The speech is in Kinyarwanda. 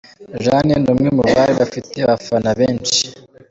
Jane, ni umwe mu bari bafite abafana benshi.